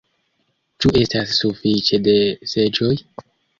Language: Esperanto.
Ĉu estas suﬁĉe de seĝoj?